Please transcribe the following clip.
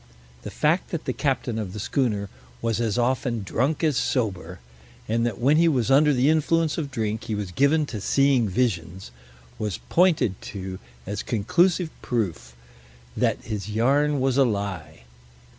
The fact that the captain of the schooner was as often drunk as sober, and that when he was under the influence of drink he was given to seeing visions, was pointed to as conclusive proof that his yarn was a lie.